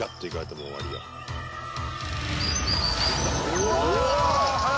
うわ！